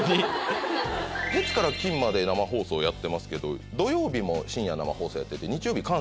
月から金まで生放送やってますけど土曜日も深夜生放送やってて日曜日